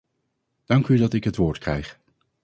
Dank u dat ik het woord krijg.